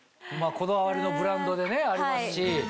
こだわりのブランドでありますし。